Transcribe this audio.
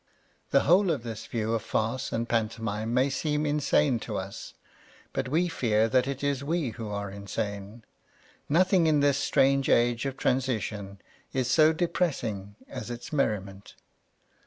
The whole of this view of farce and pantomime may seem insane to us ; but we fear that it is we who are insane. Nothing in this strange age of transition is so de pressing as its merriment.